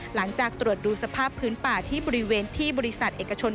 หลังจากตรวจดูสภาพพื้นป่าที่บริเวณที่บริษัทเอกชน